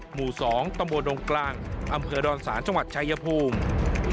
หมู่๒ตำบลดงกลางอำเภอดอนศาลจังหวัดชายภูมิ